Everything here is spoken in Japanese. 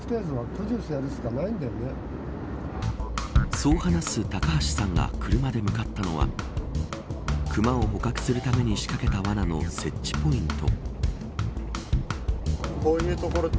そう話す高橋さんが車で向かったのは熊を捕獲するために仕掛けた罠の設置ポイント。